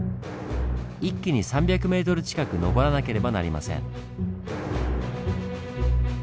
一気に３００ｍ近く登らなければなりません。